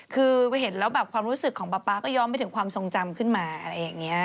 คือเห็นแล้วแบบความรู้สึกของป๊าป๊าก็ย้อมไปถึงความทรงจำขึ้นมาอะไรอย่างนี้